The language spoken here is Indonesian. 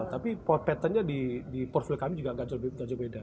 tapi patternnya di profil kami juga agak jauh beda